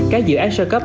các dự án sơ cấp